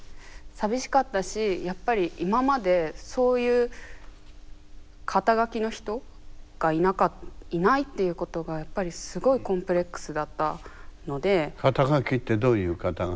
寂しかったしやっぱり今までそういう肩書の人がいないっていうことがやっぱり肩書ってどういう肩書？